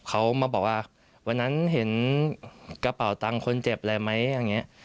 เขามาบอกว่าวันนั้นเห็นกระเป๋าตังค์คนเจ็บอะไรไหมอย่างนี้